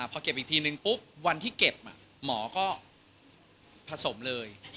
พอเก็บอีกทีนึงปุ๊บวันที่เก็บหมอก็ผสมเลย